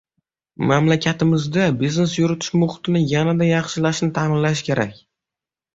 Mamlakatimizda biznes yuritish muhitini yanada yaxshilashni ta'minlash kerak.